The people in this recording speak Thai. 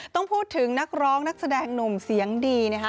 ต้องพูดถึงนักร้องนักแสดงหนุ่มเสียงดีนะคะ